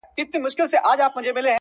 خدای دي نه کړي څوک عادت په بدي چاري.!